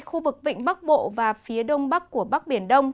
khu vực vịnh bắc bộ và phía đông bắc của bắc biển đông